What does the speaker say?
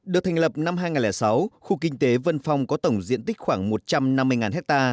được thành lập năm hai nghìn sáu khu kinh tế vân phong có tổng diện tích khoảng một trăm năm mươi ha